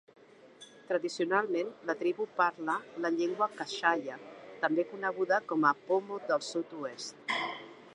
Tradicionalment la tribu parla la llengua kashaya, també coneguda com a pomo del sud-oest.